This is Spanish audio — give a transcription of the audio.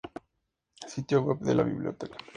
Sitio web de la biblioteca.